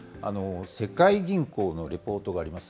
世界銀行のレポートがあります。